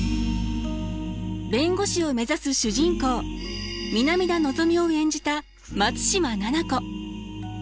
弁護士を目指す主人公南田のぞみを演じた松嶋菜々子。